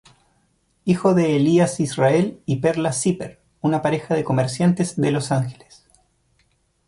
Hijo de Elías Israel y Perla Zipper, una pareja de comerciantes de Los Ángeles.